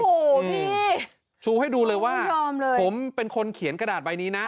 โอ้โหพี่ชูให้ดูเลยว่าผมเป็นคนเขียนกระดาษใบนี้นะ